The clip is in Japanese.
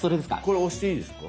これ押していいですか？